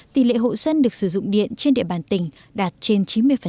tỷ lệ hộ dân được sử dụng điện trên địa bàn tỉnh đạt trên chín mươi